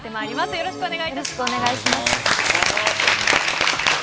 よろしくお願いします。